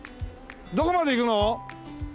どこまで行くの？